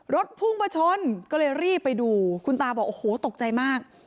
รถพุ่งมาชนก็เลยรีบไปดูคุณตาบอกโอ้โหตกใจมาก